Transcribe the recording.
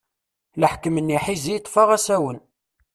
Leḥkem n yiḥizi yeṭṭef-aɣ asawen.